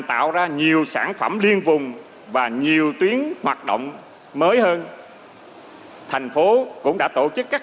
tạo ra nhiều sản phẩm liên vùng và nhiều tuyến hoạt động mới hơn thành phố cũng đã tổ chức các